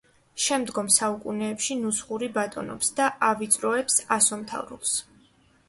შემდგომ საუკუნეებში ნუსხური ბატონობს და ავიწროებს ასომთავრულს.